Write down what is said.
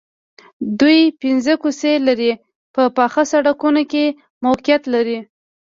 دوی پنځه کوڅې لرې په پاخه سړکونو کې موقعیت لري